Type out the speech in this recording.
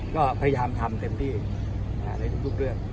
ก็พยายามทำเต็มที่ในทุกเรื่อง